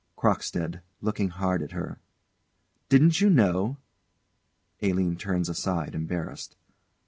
CROCKSTEAD. [Looking hard at her.] Didn't you know? [ALINE _turns aside, embarrassed.